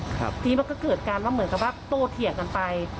ทีนี้มันก็เกิดการว่าเหมือนกับว่าโตเถียงกันไป